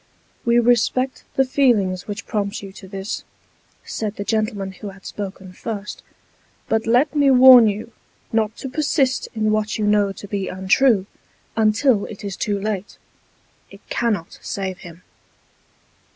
"We respect the feelings which prompt you to this," said the gentleman who had spoken first, " but let me warn you, not to persist in what you know to be untrue, until it is too late. It cannot save him."